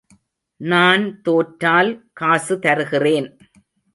நான் தோற்றால் காசு தருகிறேன்.